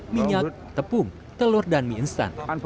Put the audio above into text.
minyak tepung telur dan mie instan